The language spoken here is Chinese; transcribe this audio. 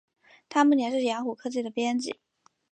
他目前是雅虎科技的编辑。